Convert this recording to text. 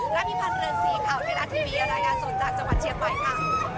รับพิพันธ์เริ่ม๔ข่าวในรัฐทีมีอรัยสนจากจังหวัดเชียงใหม่ค่ะ